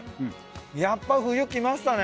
やっぱ冬きましたね。